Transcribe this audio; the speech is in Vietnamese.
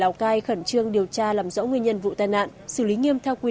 lào cai khẩn trương điều tra làm rõ